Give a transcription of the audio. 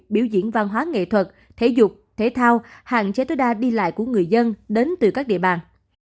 biểu diễn văn hóa nghệ thuật thể dục thể thao hạn chế tối đa đi lại của người dân đến từ các địa bàn